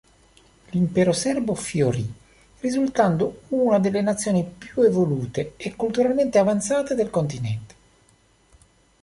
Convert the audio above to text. L'Impero serbo fiorì, risultando una delle nazioni più evolute e culturalmente avanzate del continente.